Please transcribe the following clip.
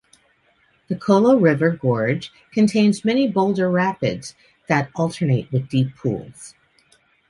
The Colo River gorge contains many boulder-rapids that alternate with deep pools.